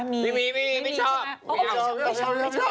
มีมีไม่ชอบ